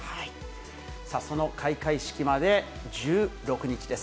その開会式まで１６日です。